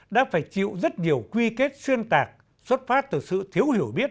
đã phải chịu rất nhiều quy kết xuyên tạc xuất phát từ sự thiếu hiểu biết